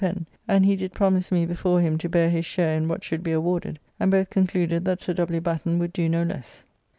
Pen; and he did promise me before him to bear his share in what should be awarded, and both concluded that Sir W. Batten would do no less.